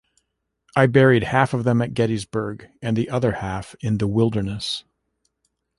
I buried half of them at Gettysburg and the other half in the Wilderness.